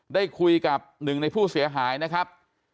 ได้คุยกับหนึ่งในผู้เสียหายนะครับ